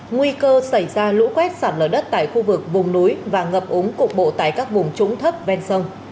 nguy cơ xảy ra lũ quét sạt lở đất tại khu vực vùng núi và ngập úng cục bộ tại các vùng trúng thấp ven sông